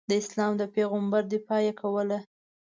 د اسلام د پیغمبر دفاع یې کوله.